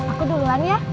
aku duluan ya